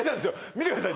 見てください